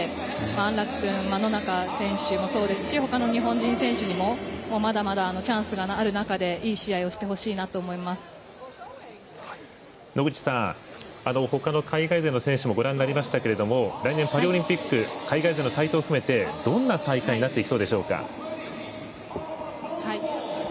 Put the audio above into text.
安楽君、野中選手もそうですし他の日本人選手にもまだまだチャンスがある中でいい試合をしてほしいなと野口さん他の海外勢の選手もご覧になりましたけど来年、パリオリンピック海外勢の台頭も含めてどんな大会になっていきそうでしょうか？